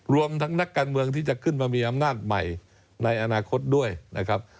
รวมทั้งนักการเมืองที่จะขึ้นมามีอำนาจใหม่ในอนาคตด้วยนะครับ